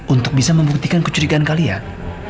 untuk bisa membuktikan kecurigaan kalian